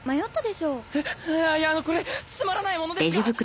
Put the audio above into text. いやあのこれつまらないものですが！